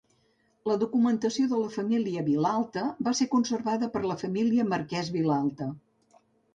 La documentació de la família Vilalta va ser conservada per la família Marquès Vilalta.